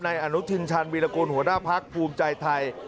นายอานุทินชันวีรกูลหัวได้พักษ์ภูมิใจไทย